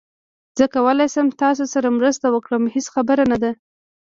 زه کولای شم تاسو سره مرسته وکړم، هیڅ خبره نه ده